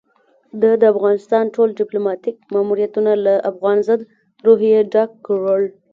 ده د افغانستان ټول ديپلوماتيک ماموريتونه له افغان ضد روحيې ډک کړل.